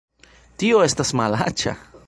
Tio estas malaĉa!